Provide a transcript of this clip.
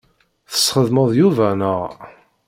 Tesxedmeḍ Yuba, naɣ?